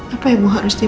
apa yang mau harus dipilih